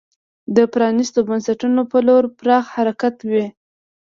د پرانیستو بنسټونو په لور پراخ حرکت وي.